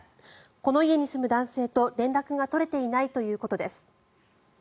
この家に住む男性と、連絡が取れていないということです。